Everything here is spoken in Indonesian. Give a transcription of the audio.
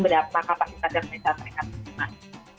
berapa kapasitas yang bisa mereka simpan